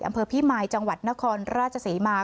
อำเภอพี่มายจังหวัดนครราชศรีมา